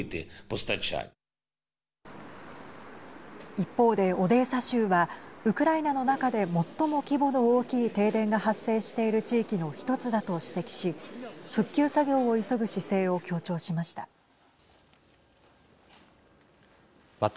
一方でオデーサ州はウクライナの中で最も規模の大きい停電が発生している地域の１つだと指摘し復旧作業を急ぐ姿勢を強調しました。